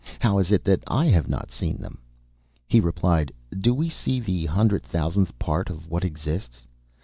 How is it that I have not seen them?" He replied: "Do we see the hundred thousandth part of what exists?